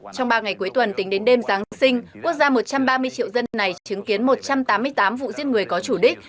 trong ba ngày cuối tuần tính đến đêm giáng sinh quốc gia một trăm ba mươi triệu dân này chứng kiến một trăm tám mươi tám vụ giết người có chủ đích